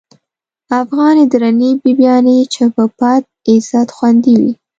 افغانی درنی بیبیانی، چی په پت عزت خوندی وی